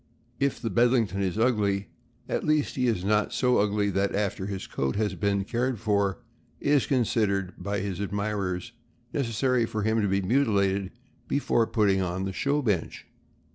If the Bedlington is ugly, at least he is not so ugly that after his coat has been cared for it is considered, by his admirers, necessary for him to be mutilated before putting on the show bench.